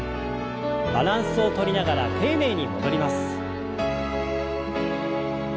バランスをとりながら丁寧に戻ります。